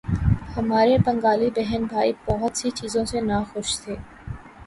ہمارے بنگالی بہن بھائی بہت سی چیزوں سے ناخوش تھے۔